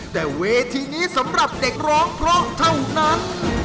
แต่เวทีนี้สำหรับเด็กร้องเพราะเท่านั้น